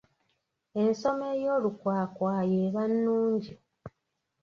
Ensoma ey'olukwakwayo eba nnungi.